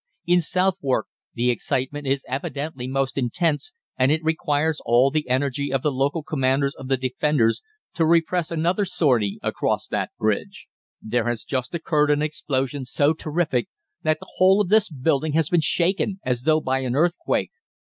In Southwark the excitement is evidently most intense, and it requires all the energy of the local commanders of the Defenders to repress another sortie across that bridge. "There has just occurred an explosion so terrific that the whole of this building has been shaken as though by an earthquake.